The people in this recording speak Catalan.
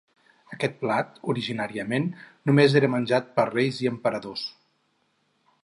Aquest plat originàriament només era menjat per reis i emperadors.